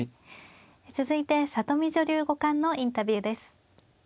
続いて里見女流五冠のインタビューです。